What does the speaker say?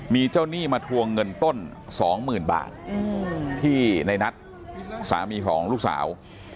มีเจ้าหนี้มาทวงเงินต้นสองหมื่นบาทที่ในนัดสามีของลูกสาว